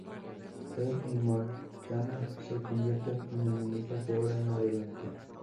Él y Morgana se convierten en enemigos de ahora en adelante.